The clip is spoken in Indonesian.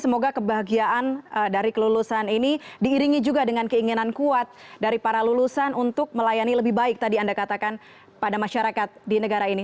semoga kebahagiaan dari kelulusan ini diiringi juga dengan keinginan kuat dari para lulusan untuk melayani lebih baik tadi anda katakan pada masyarakat di negara ini